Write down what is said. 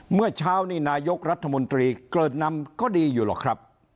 เมื่อเช้านี่นายกรัฐมนตรีเกิดนำก็ดีอยู่หรอกครับ